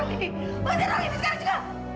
ustaz raleigh sekarang